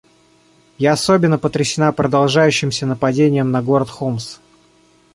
Я особенно потрясена продолжающимся нападением на город Хомс.